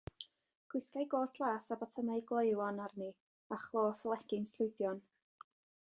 Gwisgai got las a botymau gloywon arni, a chlos a legins llwydion.